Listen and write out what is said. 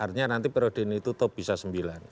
artinya nanti perhode ini tuh top bisa sembilan